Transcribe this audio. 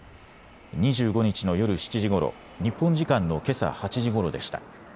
２５日の夜７時ごろ、日本時間のけさ８時ごろでした。